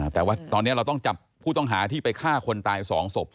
แต่ว่าตอนนี้เราต้องจับผู้ต้องหาที่ไปฆ่าคนตาย๒ศพ